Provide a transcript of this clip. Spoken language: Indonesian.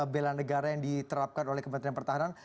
bela negara yang diterapkan oleh kementerian pertahanan